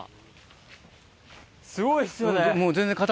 すごいっすよね。